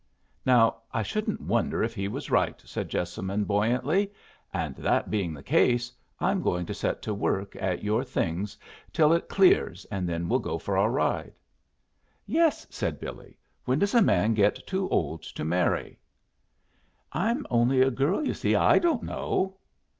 "Now I shouldn't wonder if he was right," said Jessamine, buoyantly. "And that being the case, I'm going to set to work at your things till it clears, and then we'll go for our ride." "Yes," said Billy. "When does a man get too old to marry?" "I'm only a girl, you see. I don't know."